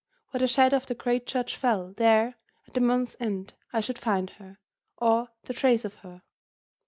Where the shadow of the great church fell, there, at the month's end, I should find her, or the trace of her.